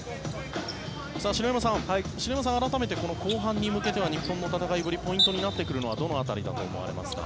篠山さんは改めて後半に向けては日本の戦いぶりポイントになってくるのはどの辺りだと思いますか？